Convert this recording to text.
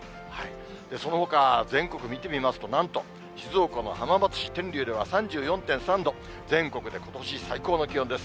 そのほか、全国見てみますと、なんと静岡の浜松市天竜では３４．３度、全国でことし最高の気温です。